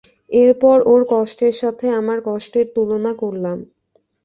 এরপর ওর কষ্টের সাথে আমার কষ্টের তুলনা করলাম।